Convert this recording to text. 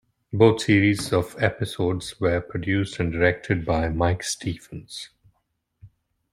Both series of episodes were produced and directed by Mike Stephens.